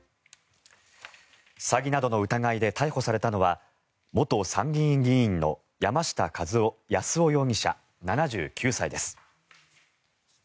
詐欺などの疑いで逮捕されたのは元参議院議員の山下八洲夫容疑者、７９歳です。